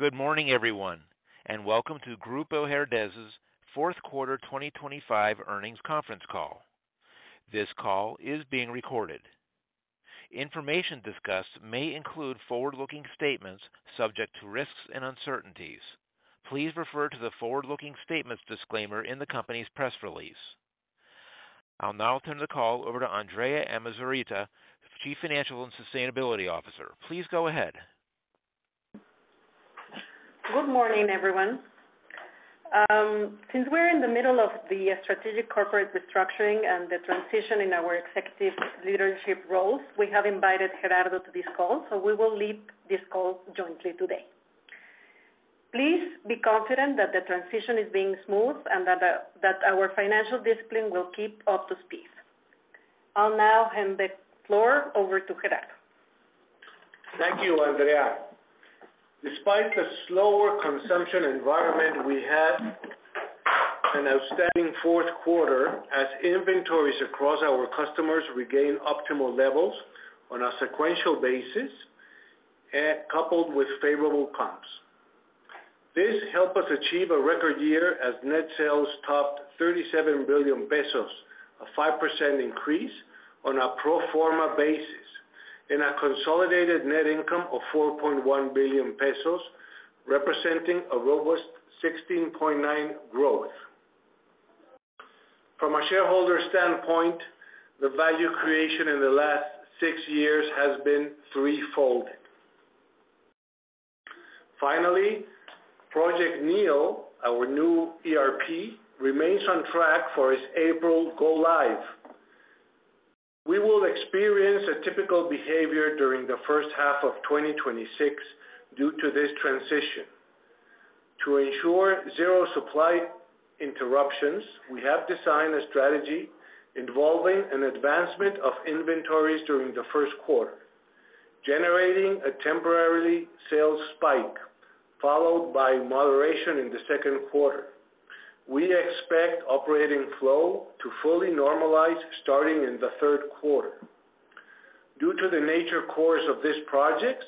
Good morning, everyone, and welcome to Grupo Herdez's 4th quarter 2025 earnings conference call. This call is being recorded. Information discussed may include forward-looking statements subject to risks and uncertainties. Please refer to the forward-looking statements disclaimer in the company's press release. I'll now turn the call over to Andrea Amozurrutia, Chief Financial and Sustainability Officer. Please go ahead. Good morning, everyone. Since we're in the middle of the strategic corporate restructuring and the transition in our executive leadership roles, we have invited Gerardo to this call, so we will lead this call jointly today. Please be confident that the transition is being smooth and that our financial discipline will keep up to speed. I'll now hand the floor over to Gerardo. Thank you, Andrea. Despite the slower consumption environment we have, an outstanding fourth quarter as inventories across our customers regain optimal levels on a sequential basis, coupled with favorable comps. This helped us achieve a record year as net sales topped 37 billion pesos, a 5% increase on a pro forma basis, and a consolidated net income of 4.1 billion pesos, representing a robust 16.9% growth. From a shareholder standpoint, the value creation in the last six years has been threefold. Finally, Project NEO, our new ERP, remains on track for its April go-live. We will experience a typical behavior during the first half of 2026 due to this transition. To ensure zero supply interruptions, we have designed a strategy involving an advancement of inventories during the first quarter, generating a temporarily sales spike followed by moderation in the second quarter. We expect operating flow to fully normalize starting in the third quarter. Due to the natural course of this project,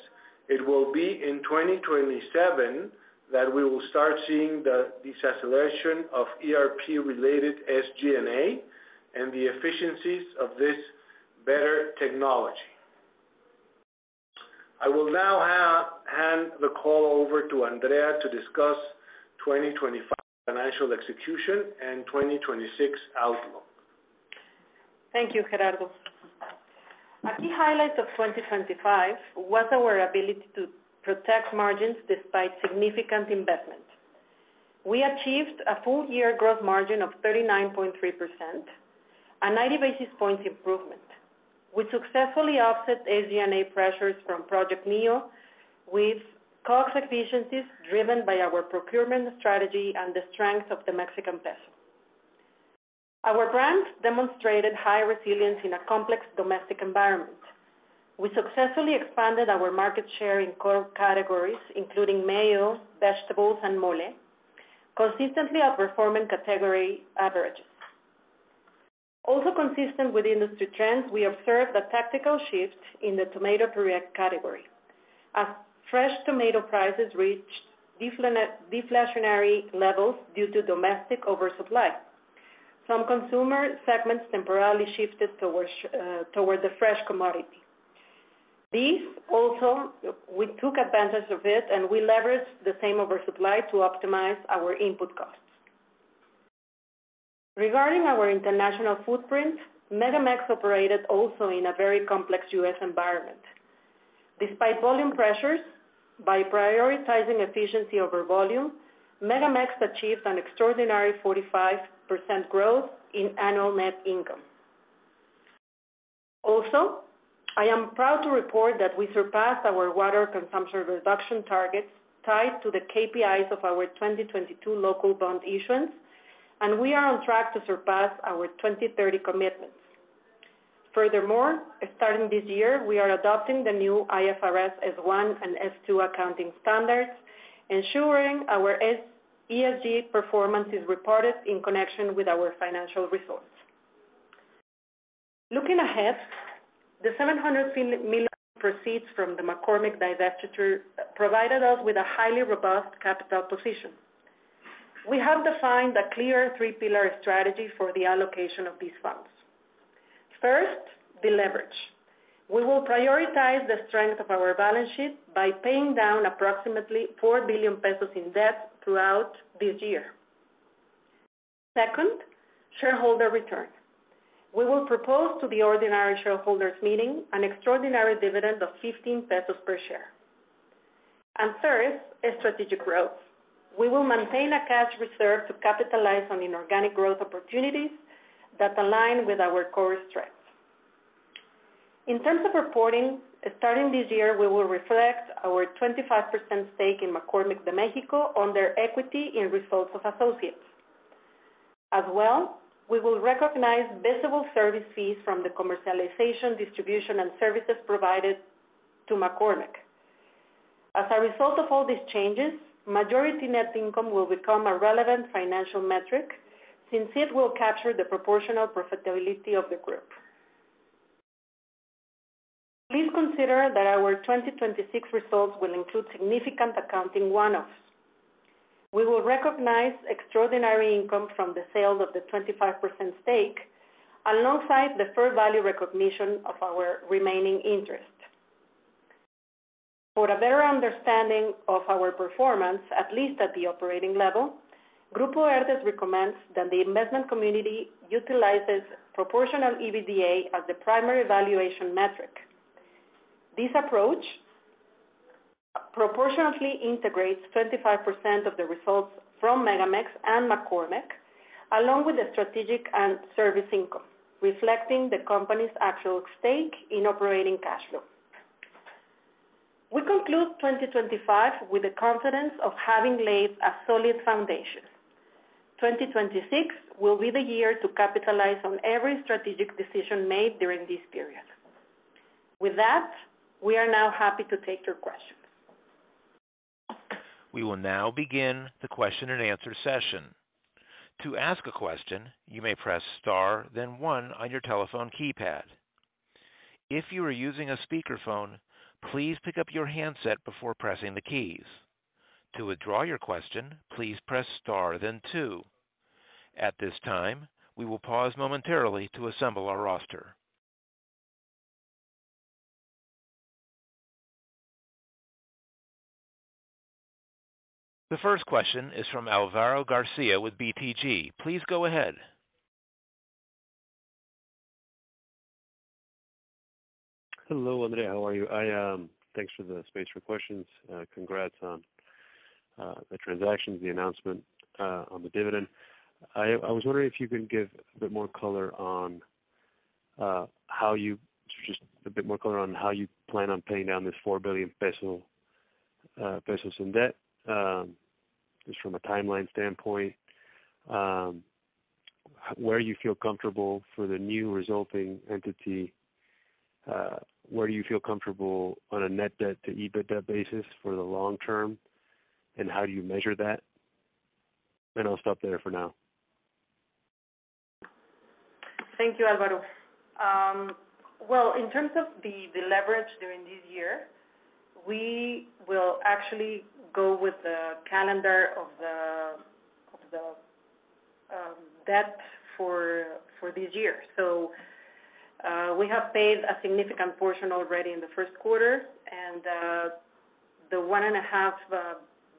it will be in 2027 that we will start seeing the deceleration of ERP-related SG&A and the efficiencies of this better technology. I will now hand the call over to Andrea to discuss 2025 financial execution and 2026 outlook. Thank you, Gerardo. My key highlight of 2025 was our ability to protect margins despite significant investment. We achieved a full-year gross margin of 39.3%, a 90 basis points improvement, which successfully offset SG&A pressures from Project NEO with COGS efficiencies driven by our procurement strategy and the strength of the Mexican peso. Our brands demonstrated high resilience in a complex domestic environment. We successfully expanded our market share in core categories, including mayo, vegetables, and mole, consistently outperforming category averages. Also consistent with industry trends, we observed a tactical shift in the tomato product category. As fresh tomato prices reached deflationary levels due to domestic oversupply, some consumer segments temporarily shifted toward the fresh commodity. This also, we took advantage of it, and we leveraged the same oversupply to optimize our input costs. Regarding our international footprint, MegaMex operated also in a very complex U.S. environment. Despite volume pressures, by prioritizing efficiency over volume, MegaMex achieved an extraordinary 45% growth in annual net income. I am proud to report that we surpassed our water consumption reduction targets tied to the KPIs of our 2022 local bond issuance, and we are on track to surpass our 2030 commitments. Starting this year, we are adopting the new IFRS S1 and S2 accounting standards, ensuring our ESG performance is reported in connection with our financial results. Looking ahead, the $700 million proceeds from the McCormick divestiture provided us with a highly robust capital position. We have defined a clear three-pillar strategy for the allocation of these funds. First, the leverage. We will prioritize the strength of our balance sheet by paying down approximately 4 billion pesos in debt throughout this year. Second, shareholder return. We will propose to the ordinary shareholders' meeting an extraordinary dividend of 15 pesos per share. Third, strategic growth. We will maintain a cash reserve to capitalize on inorganic growth opportunities that align with our core strengths. In terms of reporting, starting this year, we will reflect our 25% stake in McCormick de México on their equity in results of associates. As well, we will recognize visible service fees from the commercialization, distribution, and services provided to McCormick. As a result of all these changes, majority net income will become a relevant financial metric since it will capture the proportional profitability of the group. Please consider that our 2026 results will include significant accounting one-offs. We will recognize extraordinary income from the sale of the 25% stake alongside the fair value recognition of our remaining interest. For a better understanding of our performance, at least at the operating level, Grupo Herdez recommends that the investment community utilizes proportional EBITDA as the primary valuation metric. This approach proportionately integrates 25% of the results from MegaMex and McCormick, along with the strategic and service income, reflecting the company's actual stake in operating cash flow. We conclude 2025 with the confidence of having laid a solid foundation. 2026 will be the year to capitalize on every strategic decision made during this period. With that, we are now happy to take your questions. We will now begin the question-and-answer session. To ask a question, you may press star then one on your telephone keypad. If you are using a speakerphone, please pick up your handset before pressing the keys. To withdraw your question, please press star then two. At this time, we will pause momentarily to assemble our roster. The first question is from Alvaro Garcia with BTG. Please go ahead. Hello, Andrea. How are you? Hi, thanks for the space for questions. Congrats on the transactions, the announcement on the dividend. I was wondering if you could give a bit more color on how you plan on paying down this 4 billion peso in debt, just from a timeline standpoint. Where do you feel comfortable for the new resulting entity? Where do you feel comfortable on a net debt-to-EBITDA basis for the long term, and how do you measure that? I'll stop there for now. Thank you, Alvaro. Well, in terms of the leverage during this year, we will actually go with the calendar of the debt for this year. We have paid a significant portion already in the first quarter, and the 1.5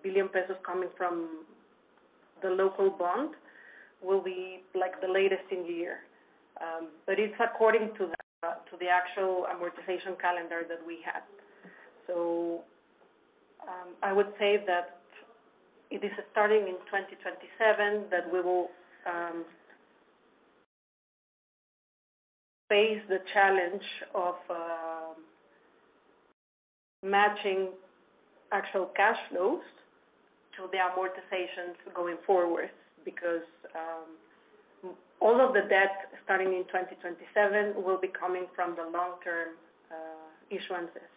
billion pesos coming from the local bond will be, like, the latest in the year. It's according to the actual amortization calendar that we had. I would say that it is starting in 2027 that we will face the challenge of matching actual cash flows to the amortizations going forward because all of the debt starting in 2027 will be coming from the long-term issuances.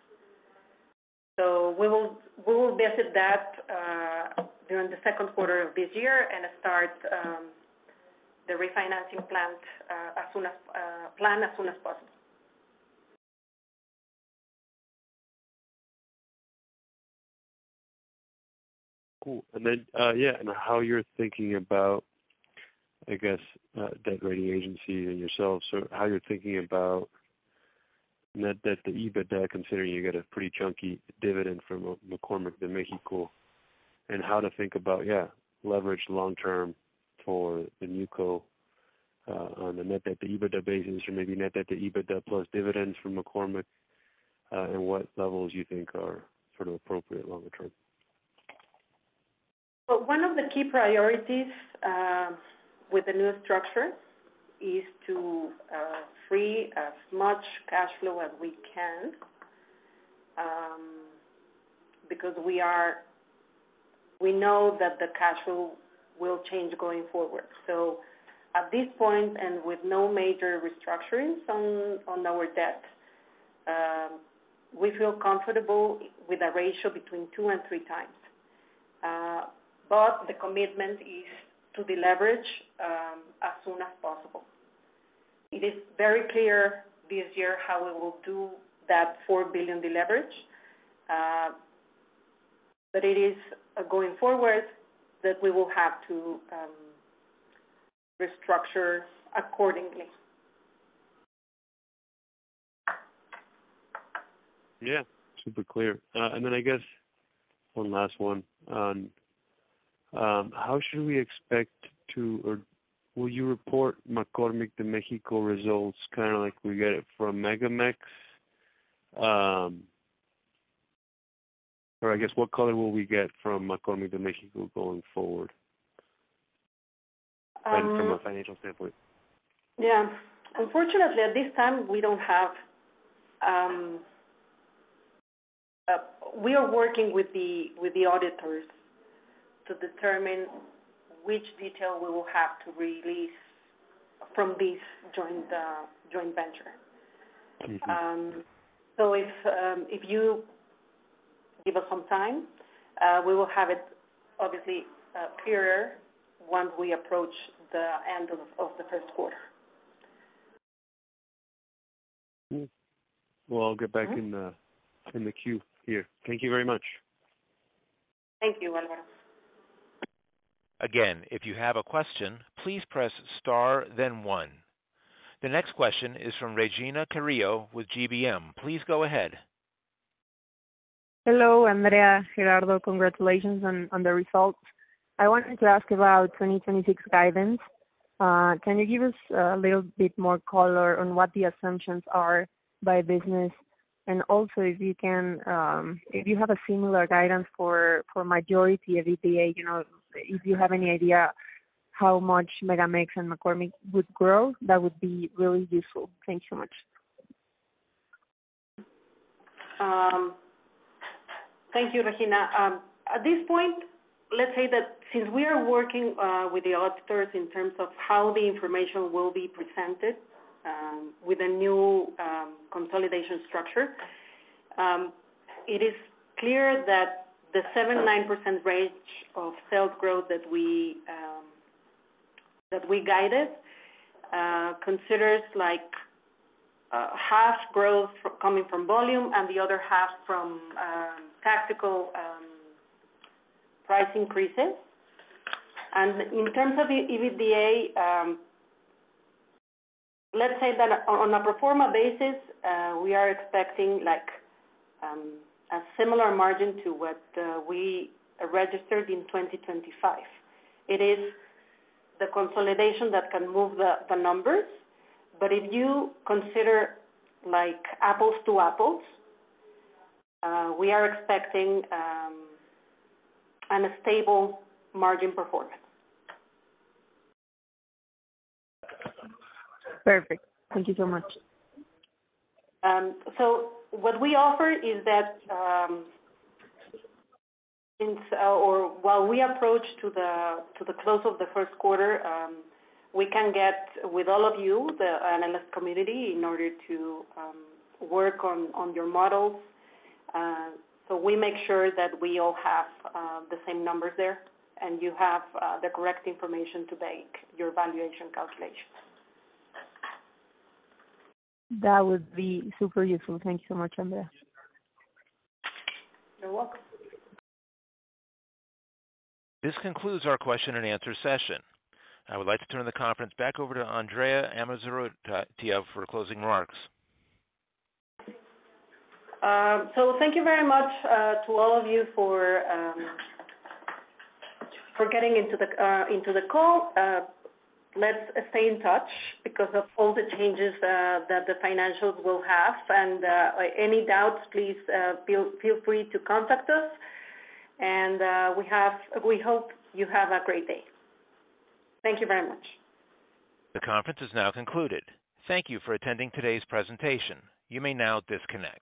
We will visit that during the second quarter of this year and start the refinancing plan as soon as possible. Cool. Then, yeah, and how you're thinking about, I guess, debt rating agencies and yourself, so how you're thinking about net debt-to-EBITDA, considering you get a pretty chunky dividend from McCormick de México, and how to think about, yeah, leverage long-term for the new co, on the net debt-to-EBITDA basis, or maybe net debt-to-EBITDA plus dividends from McCormick, and what levels you think are sort of appropriate longer term? Well, one of the key priorities with the new structure is to free as much cash flow as we can, because we know that the cash flow will change going forward. At this point and with no major restructurings on our debt, we feel comfortable with a ratio between 2x and 3x. The commitment is to the leverage as soon as possible. It is very clear this year how we will do that 4 billion deleverage, but it is going forward that we will have to restructure accordingly. Yeah, super clear. I guess one last one on how should we expect to or will you report McCormick de México results kind of like we get it from MegaMex? Or I guess what color will we get from McCormick de México going forward, from a financial standpoint? Yeah. Unfortunately, at this time we don't have. We are working with the auditors to determine which detail we will have to release from this joint venture. If you give us some time, we will have it obviously clearer once we approach the end of the first quarter. Well, I'll get back in the queue here. Thank you very much. Thank you, Alvaro. Again, if you have a question, please press star then one. The next question is from Regina Carrillo with GBM. Please go ahead. Hello, Andrea, Gerardo. Congratulations on the results. I wanted to ask about 2026 guidance. Can you give us a little bit more color on what the assumptions are by business, and also if you can, if you have a similar guidance for majority of EBITDA, you know, if you have any idea how much MegaMex and McCormick would grow, that would be really useful. Thanks so much. Thank you, Regina. At this point, let's say that since we are working with the auditors in terms of how the information will be presented with a new consolidation structure, it is clear that the 7%-9% range of sales growth that we guided considers, like, half growth coming from volume and the other half from tactical price increases. In terms of the EBITDA, let's say that on a pro forma basis, we are expecting, like, a similar margin to what we registered in 2025. It is the consolidation that can move the numbers. If you consider, like, apples to apples, we are expecting a stable margin performance. Perfect. Thank you so much. What we offer is that, since or while we approach to the close of the first quarter, we can get with all of you, the analyst community, in order to work on your models. We make sure that we all have the same numbers there and you have the correct information to base your valuation calculation. That would be super useful. Thank you so much, Andrea. You're welcome. This concludes our question-and-answer session. I would like to turn the conference back over to Andrea Amozurrutia for closing remarks. Thank you very much to all of you for getting into the call. Let's stay in touch because of all the changes that the financials will have. Any doubts, please feel free to contact us. We hope you have a great day. Thank you very much. The conference is now concluded. Thank you for attending today's presentation. You may now disconnect.